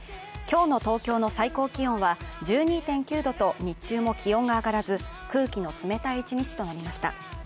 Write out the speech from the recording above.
今日の東京の最高気温は１２．９度と日中も気温が上がらず、空気の冷たい一日となりました。